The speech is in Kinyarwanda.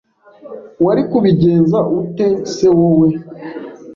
Wari kubigenza ute se wowe